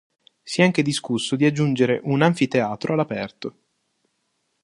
Si è anche discusso di aggiungere un anfiteatro all'aperto.